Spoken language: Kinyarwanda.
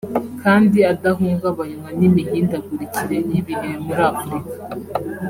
kandi adahungabanywa n’imihindagurikire y’ibihe muri Afurika